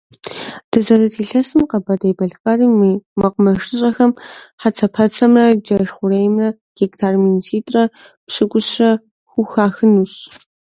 Дызэрыт илъэсым Къэбэрдей-Балъкъэрым и мэкъумэшыщӏэхэм хьэцэпэцэмрэ джэш хъуреймрэ гектар мин щитӏрэ пщыкӏущрэ хухахынущ.